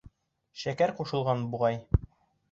Шәкәр ҡушылған, буғай...